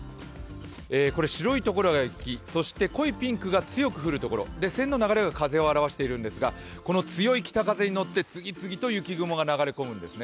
これ、白いところが雪濃いピンクが強く降るところ線の流れが風を表しているんですが、この強い北風に乗って次々と雪雲が流れ込むんですね。